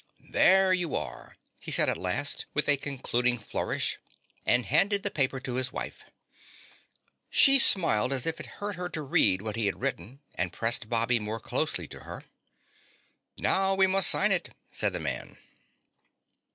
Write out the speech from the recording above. "There you are," he said at last, with a concluding flourish, and handed the paper to his wife. She smiled as if it hurt her to read what he had written, and pressed Bobby more closely to her. "Now we must sign it," said the man.